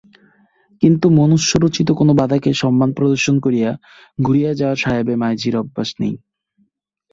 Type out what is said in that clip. কিন্তু মনুষ্যরচিত কোনো বাধাকে সম্মান প্রদর্শন করিয়া ঘুরিয়া যাওয়া সাহেবের মাঝির অভ্যাস নাই।